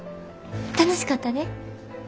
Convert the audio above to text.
楽しかったで。